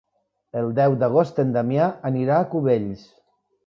El deu d'agost en Damià anirà a Cubells.